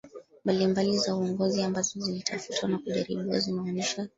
mbalimbali za uongozi ambazo zilitafutwa na kujaribiwa zinaonyesha